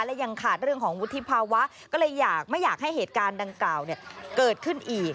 และยังขาดเรื่องของวุฒิภาวะก็เลยอยากไม่อยากให้เหตุการณ์ดังกล่าวเกิดขึ้นอีก